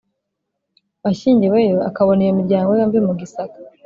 washyingiweyo akabona iyo miryango yombi mu Gisaka.